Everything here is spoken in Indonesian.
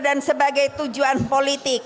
dan sebagai tujuan politik